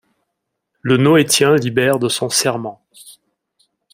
le Noétien libéré de son serment.